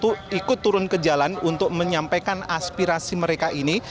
mereka menyatakan kenapa ikut turun ke jalan untuk menyampaikan aspirasi mereka ini